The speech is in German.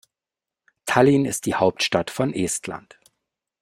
Tallinn ist die Hauptstadt von Estland.